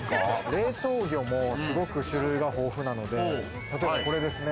冷凍魚もすごく種類が豊富なので、これですね。